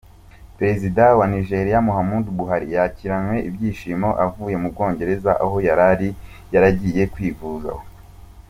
Perezida wa Nigeria Muhammadu Buhari yakiranywe ibyishimo avuye mu Bwongereza aho yari yaragiye kwivuza